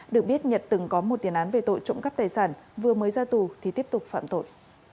được biết nhật từng có một tiền án về tội trộm cắp tài sản vừa mới ra tù thì tiếp tục phạm tội